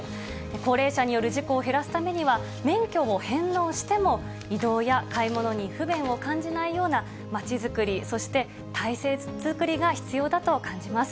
高齢者による事故を減らすためには、免許を返納しても、移動や買い物に不便を感じないようなまちづくり、そして、体制作りが必要だと感じます。